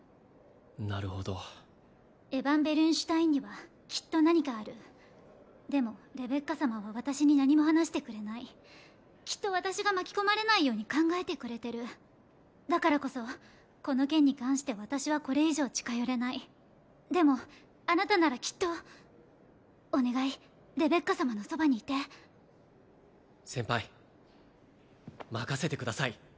なるほどエヴァン＝ベルンシュタインにはきっと何かあるでもレベッカ様は私に何も話してくれないきっと私が巻き込まれないように考えてくれてるだからこそこの件に関して私はこれ以上近寄れないでもあなたならきっとお願いレベッカ様のそばにいて先輩任せてください